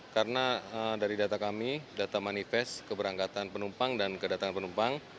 karena dari data kami data manifest keberangkatan penumpang dan kedatangan penumpang